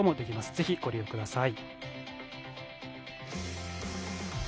ぜひご利用ください。